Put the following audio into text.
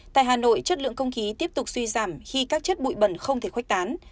tại hà nội chất lượng không khí tiếp tục suy giảm khi các chất bụi bẩn không thể khuếch tán